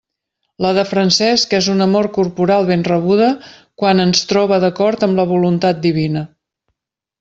La de Francesc és una mort corporal ben rebuda quan ens troba d'acord amb la voluntat divina.